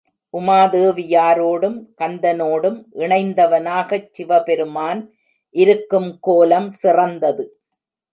உமாதேவியாரோடும் கந்தனோடும் இணைந்தவனாகச் சிவபெருமான் இருக்கும் கோலம் சிறந்தது.